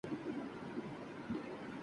تحریر :حافظ صفوان محمد